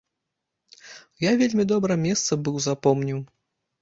Я вельмі добра месца быў запомніў.